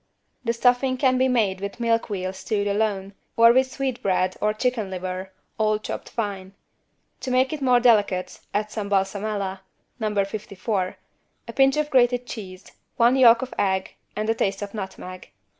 The stuffing can be made with milk veal stewed alone, or with sweetbread or chicken liver, all chopped fine. To make it more delicate, add some =balsamella= (No 54) a pinch of grated cheese, one yolk of egg and a taste of nutmeg.